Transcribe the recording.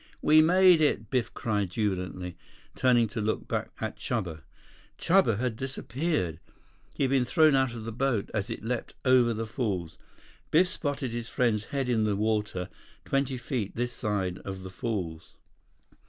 "We made it!" Biff cried jubilantly, turning to look back at Chuba. Chuba had disappeared. He had been thrown out of the boat as it leaped over the falls. Biff spotted his friend's head in the water twenty feet this side of the falls.